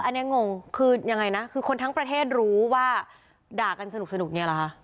อันนี้งงคือยังไงนะคือคนทั้งประเทศรู้ว่าด่ากันสนุกเนี่ยเหรอคะ